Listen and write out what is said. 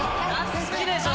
好きでしょ？